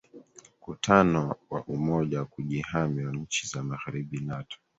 kutano wa umoja wa kujihami wa nchi za magharibi nato